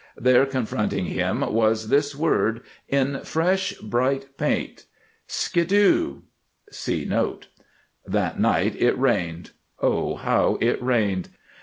There confronting him was this word in fresh bright paint, "SKYDDU" (See Note) That night it rained. Oh, how it rained!